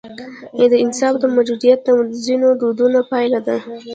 د انصاف نه موجودیت د ځینو دودونو پایله ده.